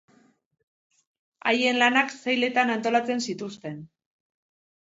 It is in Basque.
Haien lanak sailetan antolatzen zituzten.